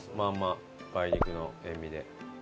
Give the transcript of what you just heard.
梅肉の塩味で。